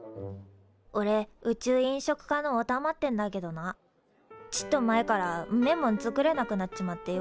おれ宇宙飲食科のおたまってんだけどなちっと前からんめえもん作れなくなっちまってよ